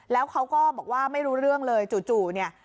แล้วเขาก็บอกว่าไม่รู้เรื่องเลยจู่เนี่ย